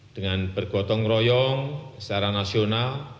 dengan bergotong royong secara nasional